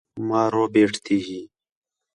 ماں رُو بیٹ تی ہی